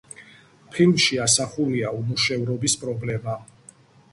ფილმში ასახულია უმუშევრობის პრობლემა.